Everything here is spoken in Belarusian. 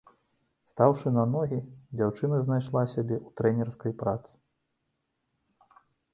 Стаўшы на ногі, дзяўчына знайшла сябе ў трэнерскай працы.